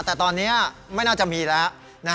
แต่ตอนนี้ไม่น่าจะมีแล้ว